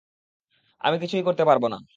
আমরা কিছুই করতে পারবো না।